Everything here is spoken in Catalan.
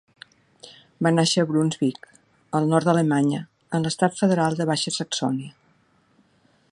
Va nàixer a Brunsvic, al nord d'Alemanya, en l'estat federal de Baixa Saxònia.